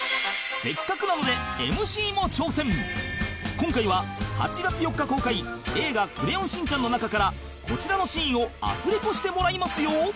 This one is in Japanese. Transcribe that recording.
今回は８月４日公開『映画クレヨンしんちゃん』の中からこちらのシーンをアフレコしてもらいますよ